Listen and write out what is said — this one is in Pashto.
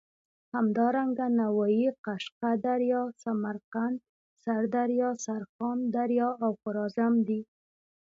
همدارنګه نوايي، قشقه دریا، سمرقند، سردریا، سرخان دریا او خوارزم دي.